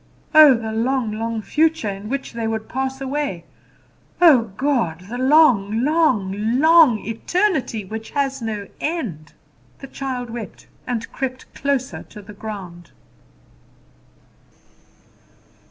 Oh, the long, long future, in which they would pass away! Oh, God! the long, long, long eternity, which has no end! The child wept, and crept closer to the ground.